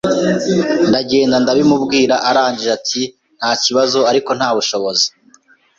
ndagenda ndabimubwira arangije ati nta kibazo ariko nta bushobozi